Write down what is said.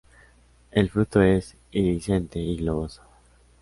El fruto es indehiscente y globoso.